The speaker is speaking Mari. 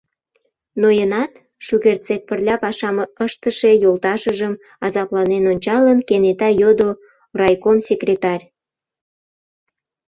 — Ноенат? — шукертсек пырля пашам ыштыше йолташыжым азапланен ончалын, кенета йодо райком секретарь.